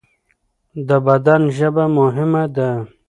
د بدن ژبه مهمه ده.